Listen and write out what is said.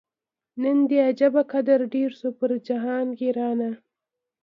نن دي عجبه قدر ډېر سو پر جهان غیرانه